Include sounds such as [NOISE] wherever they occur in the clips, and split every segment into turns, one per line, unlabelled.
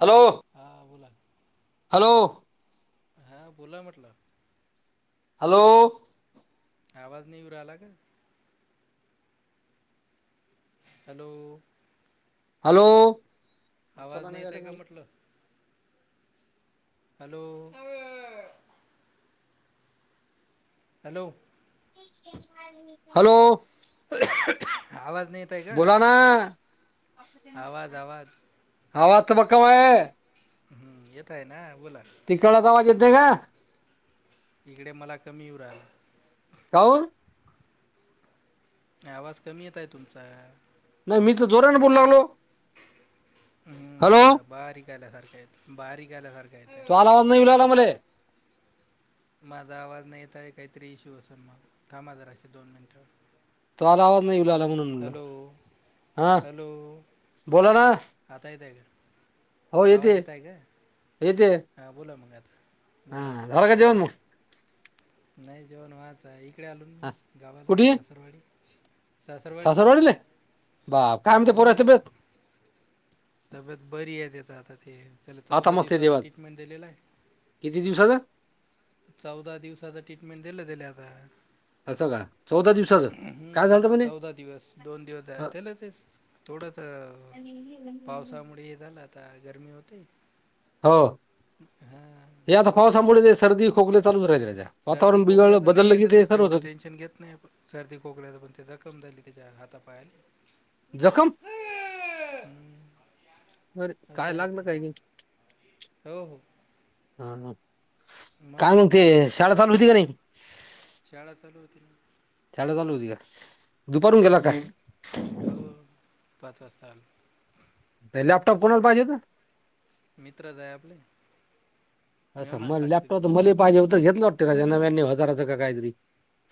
Hello!
हा बोला
hello!
हा बोला म्हटलं.
हॅलो!
आवाज नाही येऊ राहिला का? हॅलो!
हॅलो!
आवाज नाही येत आहे का
[UNINTELLIGIBLE]
म्हटलं हॅलो! [UNINTELLIGIBLE] हॅलो!
हॅलो!
आवाज नाही येत आहे का?
बोला ना
आवाज आवाज.
हावाज तम्हा काव आहे.
हम्म एतय ना! बोला
तिकडचा आवाज येतय का.
इकडे मला कमी [UNINTELLIGIBLE] राला
काऊन.
आवाज कमी येत आहे तुमचा.
नाही मी तर जोराने बोलू लागलो. हॅलो
हम्म बारीक आल्यासारख्या बारीक आल्यासारखे
तो आला आवाज नाही मले.
माझा आवाज नाही येत आहे काहीतरी इश्यू असेल मग, थांबा जश दोन मिनिटवर
तु आला आवाज नाही येऊ राहिला.
हॅलो! हॅलो!
बोला ना
आता येत आहे. का
हो येते
आवाज येत आहे का
येते,
हां बोला मग आता,
हा
बोला बोला
होरग जेवमु.
नाही जेवण व्हायचं आहे. इकडे आलून मी गावाला
कुठे
सासरवाडी, सासरवाडी
बा काय म्हते पोरच
हम्म.
बेत,
तब्येत बरी आहेेत आता ते, चला
आता
चौदा
मस्त आहे
दिवसाचा
देवात
ट्रीटमेंट दिलेला आहे.
किती दिवसाचं
चौदा दिवसाचा ट्रीटमेंट दिलं दिले आता.
असं का चौदा दिवसाचं
हम्म
काय झालं म्हणे
चौदा दिवस दोन दिवस त्याला ते थोडस पावसामुळे हे झालं आता गरमी होते.
हो
हां
हे आता
थोडं त्याला
पावसामुळे ते सर्दी, खोकले चालूच राहि
सर्दी खोकल्याच नाहीे त्या तेवढं टेन्शन घेत नाहीण सर्दी खोकल्याच पण ते जखम झाली त्याच्या हाता
जखम
हम्म.
अरे
असं
काय
आहे
लागल काय
ते
माहित
हो हो
ह काय मग ते शाळा चालू होती का नाही
शाळा चालू होती ना
शाळा चालू होती का? दुपारून गेला काय?
हो पाच वाजता.
ते लॅपटॉप कोणाला पाहिजे होत?
मित्रचं हाय आपले
असं
मेवनाच
मग
लागते ते
लॅपटॉप तर मले पाहिजे होत घेतलं वाटते का नव्याने हजारां काहीतरी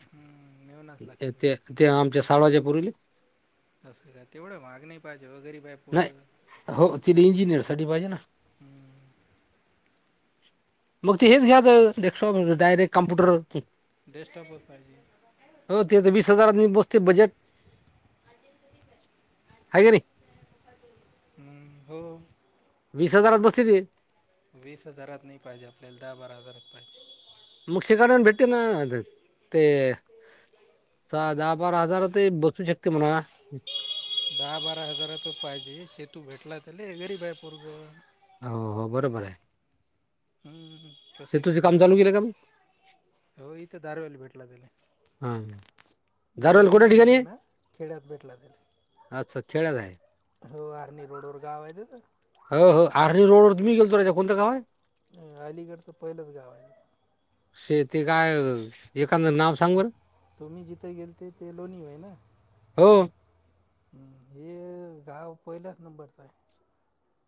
हम्म, मेवनाच लागते
ते ते आमच्या शाळवाज पुरली
तसं का तेवढं महाग नाही पाहिजे गरीब आहे
नाही
पोरगं
हो तिला इंजिनियर साठी पाहिजे ना मग ते हेच घ्या डेक्स्टॉप डायरेक्ट कम्पुटर हो
डेस्कटॉपच पाहिजे
ते तर वीस हजार बस बजट आहे क नी
हम्म हो
वीस हजारात बसती ते
वीस हजारात नाही पाहिजे आपल्याला दहा बारा हजारात पाहिजे.
मग शेकडून भेटते ना ते सहा, दहा, बारा हजार ते बसू शकते म्हणा.
दहा, बारा हजार तर पाहिजे सेतू भेटला त्या गरीब आहे परग
हो हो बरोबर आहे.
हम् हम
ते तुझ काम चालू केेला का मग
हो इथं दारवेला भेटला त्याला
हा दारवेल
दरव्याली
कुठे
बी नाही
ठिकाणी आहे
म्हणा खेड्यात भेटला तले.
अच्छा खेड्यात आहे
हो आरनी रोडोर गाव आहे.
हो हो आर् रडवर तुम्ही गेलो राज कोणतं गाव आहे
अ अलिगडचं पहिलंच गाव आहे.
श ते काय एखद नाव सांग बरं
तुम्ही जिथं गेल ते ते लोणी हो ना
हो
हम्म हे गाव पहिल्याच नंबरचं आहे.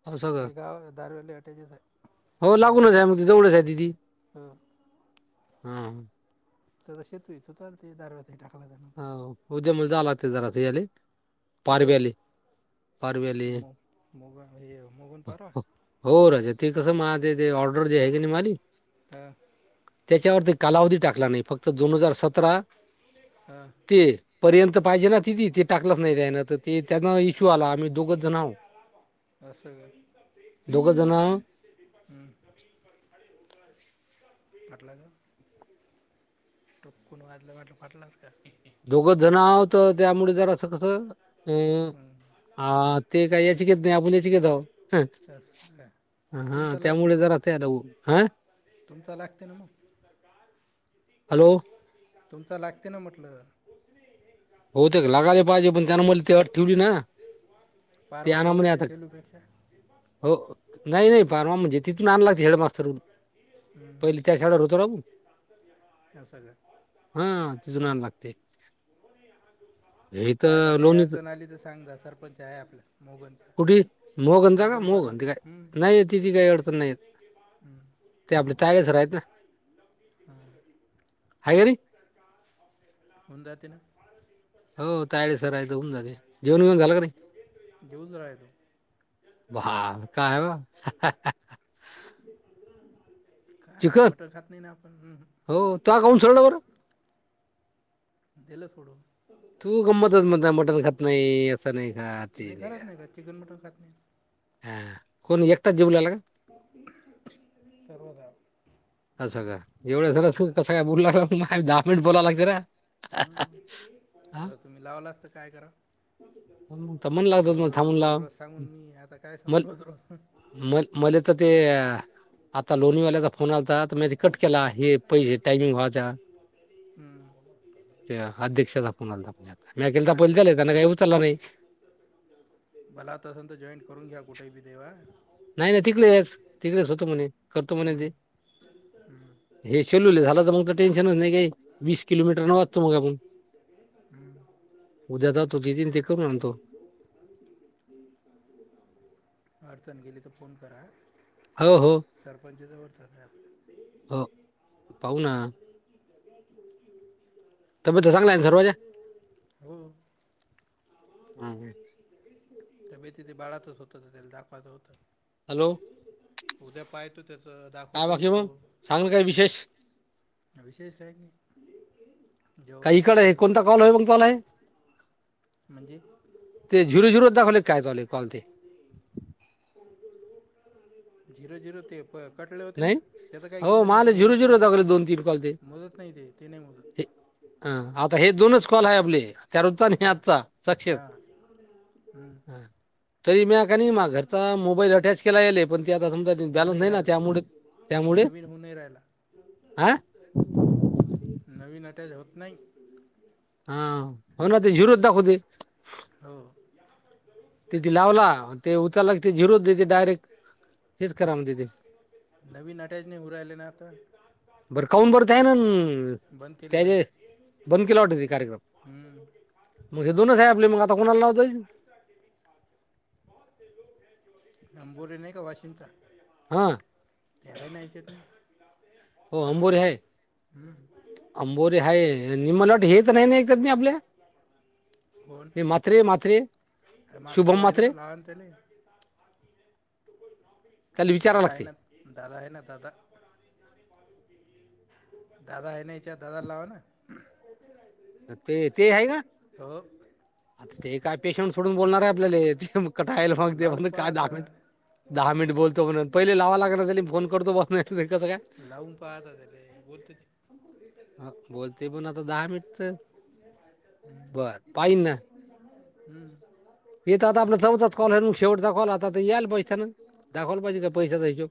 हो सगळं
म्हणजे गाव दारवेली वाट्याचेच आहे.
हो
बाहेर
लागूनच आहे मग जवळच आहे दीदी
हो
हा
त शेतू य त हो ते दार
ह उद्या म्ह जाला ते जराली पारवी आली
म मग मगन पारव
तस माझ ते आर्डर जे हग न मली
हम
त्याच्यावरती कालावधी टाकला नाही फक्त दोन हजार सतरा
हां
ते पर्यंत पाहिजे ना तिथी ते टाकलंच नाही त्याना तर ते त्यांना इश्यू आला आम्ही दोघच जण आहो
[UNINTELLIGIBLE]
दोघजना
हम्म, फटलाच टकून वाजलं वाटलं फटलाच
दोघं जण आह होत त्यामुळे जरा असं कसं अं
हम्म,
हा ते काही याचीकेत नाही आपण याचीकेत आहोत
असं का
हा
तुमचा लागते
त्यामुळे
ना
जरा
मग
तेऊ हं
तुमचा लागते ना मग
हॅलो
तुमच लागते ना म्हटलं
हो ते लागायला पाहिजे पण त्यान म ते अट ठेवली ना ते
पारवा
आणा
दवड
म्हणे
आहे
आता
शेलूपेक्षा
हो नाही नाही फारवा म्हणजे तिथून आण लागते हेडमास्तर
हम्म,
पहिली त्या शाळेवर होतो राघू
असं का
हा तिथून आणाया लागते हे
फायदा
तर
काही
लोणी
अडचण आली तर सांग द सरपंच आहे आपल्या मोगनचा
कुठे मोहगनचा का
मोगन पार
मोहगन
होता हम्म,
नाही तिची काय नाहीय अडचण नाही येत
हम्म.
ते आपले तागेसर आहेत ना हाय घरी
होऊन जाते ना
हो तायले सर आहेत होऊन जाते जेवणेबिवन झालं का नाही
घेऊच राहतो
बाहा काय [UNINTELLIGIBLE]
काय
चिकन
मटण खात नाही ना आपण हम्म.
हो तुवा काबून सोडला बरं
दिलं सोडून
तू गमंत म्हणत मटण खात नाही असं नाही खाता ते नाही
खरंच
खात
का चिकन मटण खात नाही
हा कोण एकतात जीऊ लागला का
सर्वदा
असं का जेवढं [UNINTELLIGIBLE] तू कसं काय बोलला मा दहा मिनिट बोलाय लागतं र
आता तुम्ही लावलास तर काय करा
मग तर मन लागतं मग
रोज रोज
थांबून
रोज
लाव
रोज सांगून मी आता काय सांगू
मल
रोज रोज
मल मला तर ते आता लोणीवाल्याचा फोन आलता म कट केला हे पहिजे टाइमिंग व्हायचा
हम्म
अध्यक्ष [UNINTELLIGIBLE] आला पहिले [UNINTELLIGIBLE]
मला आता [UNINTELLIGIBLE] जॉईंट करून घ्या कुठं भी देवा
नाही नाही तिकडेच तिकडेच होत म्हणे करतो म्हणे
हम्म,
ते
हम्म,
हे सेलूले झाला तर मग तर टेन्शनच नाही का वीस किलोमीटर न
हम्म,
वाचतो मग आपण
हम्म.
उद्या दावतो [UNINTELLIGIBLE] अन् ते करून आणतो
आडचण गेली तर फोन करा
हो हो
सरपंच्याच्यावर [UNINTELLIGIBLE]
हो पाहू ना
[UNINTELLIGIBLE]
तब्येती चांगल्या आहे ना सर्वच्या
हो
[UNINTELLIGIBLE]
तब्येत बाळातच होत तर त्याले ते दाखवायचं होत
हॅलो
पाहतो त्याचं
काय
दाखवतो नाही
बाकी म
तो
सांगल काय विशेष
विशेष काय नही
का इकडे आहे कोणता कॉल आहे कॉल आहे तुमचा वाला हे
म्हणजे
ते झिरो झिरो दाखवले [UNINTELLIGIBLE] काय कॉल ते
झिरो झिरो ते कटले होते ना
नाही
त्याच काही घेणं
हो
देणं ते नाही
मला
ते
झिरो
मोजत नाही
झिरो दाखवले दोन तीन कॉल
मोजत नाही ते ते नाही मोजत
ह आता हे दोनच कॉल आहे आपले त्यारोजचा आणि
हां
आजचा साक्ष
हां हम्म
तरी मी म्याकणी मा घरचा मोबाईल अटॅच केला गेले पण ते आता समजा
होऊ
बॅलन्स नाही ना
राहिला
त्यामुळे त्यामुळे
नवीन होऊ नाही राहिला
हा
नवीन अटॅच होत नाही
हा हो ना ते झिरोच दाखवते
हो
तिथ लावला ते उचलला की ते झिरोच देते डायरेक्ट तेच कराम दीदी
अटयाच नही होउ राहिले ना आता
बरं काउंन बरत आहे ना
बंद
त्या
केलेला आहे
बंद केला वाटत ते कार्यक्रम
हम्म.
मग हे दोनच आहे आपले मग आता कुणाला लावताय
नंबोरे नाही का वाशिमचा
हा.
तेरा नयचट.
हो अंबोर हा अंबोरे हा निमलट हेेत नाही नाही. त नाही आपल्या.
बन
हे म्हात्रे म्हात्रे
मा भाऊ
शुभम
आहे ना
म्हात्रे
लहानतेनी.
त्याला विचारा
दादा आहे
लागते.
ना दादा है ना दादा. दादा आहे नाहीच्या दादाला लावा ना.
ते ते आहे का.
हो
आता ते काय पेशंट सोडून बोलणार आहे आपल्याला तेग कटायल मग ते
लावून
ब
पहा
काय दहा
आता
मिनट. दहा मिनिट बोलतो म्हणून पहिले लावा लागणार फोन करतो बस नाही कसं काय.
पाह रे.
ह बोलते पण आता दहा मिन. बर पाहि ना.
हम्म.
येत आता आपला चौताच कॉल शेवटचा कॉल आता याल पैाना. दाखवला पाहिजे काय पैसा जायच्या.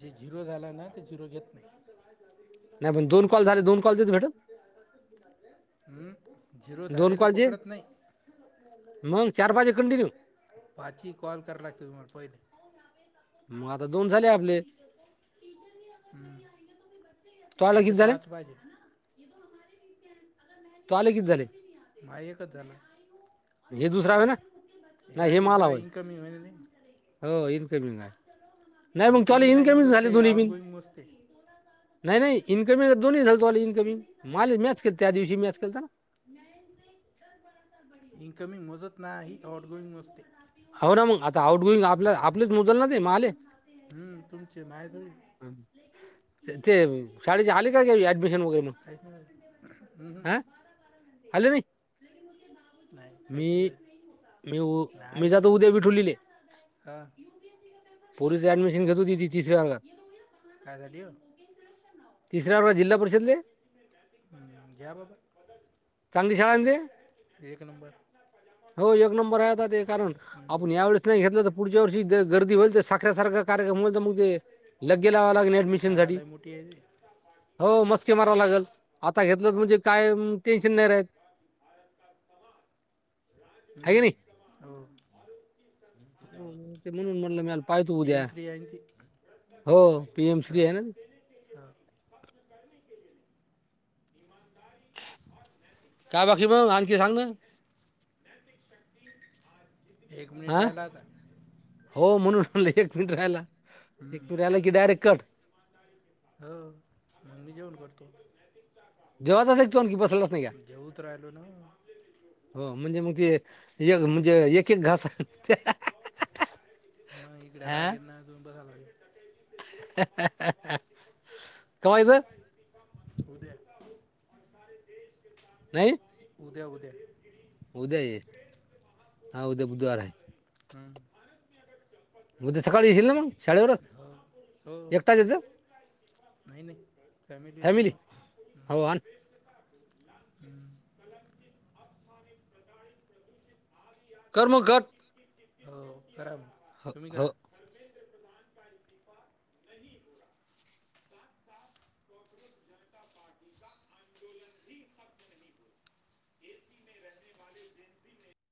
जे झिरो झाला ना ते झिरो. घेत नाही
नाही पण दोन कॉल झाले दोन कॉल देत भेटून.
ह झिरो
दोन
झाधलेले
कॉल जे
पकडत नाही.
मग चार पाच कंटिन्यू
पाची कॉल करा लागतही मला पहिले.
मग आता दोन झाले आपले.
हम्म अचछा पाच वाजे.
तू आले किती झाले.
मायकधलं.
हे दुसरा आहे ना.
एकाा
नाही हे मला
दुसरा
होय
इंग कमी होन.
हो नाही मग चला
नाही
इनकमिंग
मोजत
झाले
ते
दोन्ही बिन
आउटगोईंग मोजते.
नाही नाही. इनकमिंग दो्ही झालोला इन्कमंग माले मॅच के त्या दिवशी मॅच केलत ना.
इनकमिंग मजत नाही ह आउट गोईंग मजते.
हो ना मग आता आउट गोईंग आप आपलीच. ल ना ते मले.
कि हम्म, कैसे तुमचे आपको माय पढ़ना थोडी.
ते शाळेचे आले का घ ऍडमिशन वगैरे म्हण
काहीच नाही होत. हम्म, हम्म.
हं. आले नाही
नाही
मी
काहीच नाही पाहिजे
मी. मी
नाही
जात उद्या विीठवलेले.
हा
पोरीस ऍडमिशन घेत होती ती तिस वेळा हंगा.
काय झाली हो
तिसराळा जिल्हा परिषद.
हम्म, घ्या बाबा
कंगीशवा ते.
एक नंबर.
हो एक नंबर आहे आता ते कारण आपण या वेळेस नाही घेतलं तर पुढच्या वर्षी गर्दी. साखर्या सारख कार्य मग ते लग्े लावं लागेडमिशन
शाळा
साठी.
लय मोठी आहे ती.
हो मस्के माराव लागेल आता घेतलं म्हणजे काय टेन्शन नाही राह. ह
हम्म.
नाही
हो
ते म्हणून. पाहि तू
पी
उद्या
एम श्री आहे ना ती
हो पीएम श्री आहे ना.
खपत कर के ईमानदारी न.
का बाकी मग आणखी सांगन.
एक मिनिट राहिला का.
हो म्हणूनलं एक मिनिट राहायला एक
हम्म.
मिनिट राहिला की डायरेक्ट कट.
हो मग मी जेवन करतो.
जेव्हाातच एक तो आणखी पसलाच नाही का
जेवूच राहिलो ना
[UNINTELLIGIBLE] हो म्हणजे मग ते म्हणजे यक यक घास
मग इकडे
ह
राग येईल ना अजून बसायला लागेल
कवा यायचं.
उद्या
नाही
उद्या उद्या
उद्या ये हा उद्या बुधवार आहे.
हम्म.
उद्या सकाळी येशील ना मग शाळेवरच
हो हो
एकटाच यायचं.
नाही नाही फॅमिली सोबत
हो आण
[INAUDIBLE]
कर्म कर
हो करा म तुम्ही करा.
हो [UNINTELLIGIBLE] [UNINTELLIGIBLE] [UNINTELLIGIBLE] [UNINTELLIGIBLE]